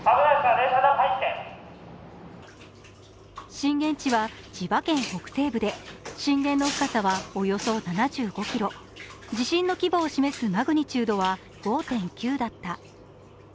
震源地は千葉県北西部で震源の深さはおよそ７５ｋｍ地震の規模を示すマグニチュードは５．９だった。